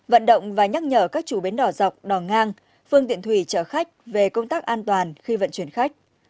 vận động và nhắc nhở các chủ bến đỏ dọc đò ngang phương tiện thủy chở khách về công tác an toàn khi vận chuyển khách